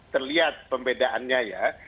terlihat pembedaannya ya